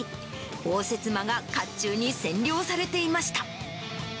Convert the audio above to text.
応接間がかっちゅうに占領されていました。